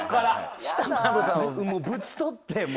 もうぶち取って。